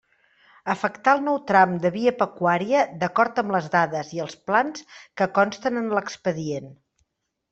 Afectar el nou tram de via pecuària d'acord amb les dades i els plans que consten en l'expedient.